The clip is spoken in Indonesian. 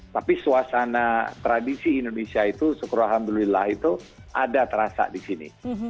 tapi suasana tradisi indonesia itu syukur alhamdulillah itu ada terasa di sini